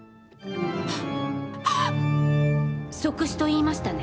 即死と言いましたね？